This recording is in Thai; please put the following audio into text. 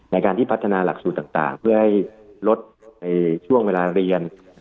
ในการที่พัฒนาหลักสูตรต่างเพื่อให้ลดในช่วงเวลาเรียน